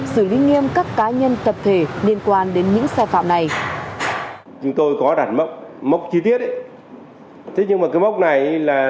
xử lý nghiêm các cá nhân tập thể liên quan đến những sai phạm này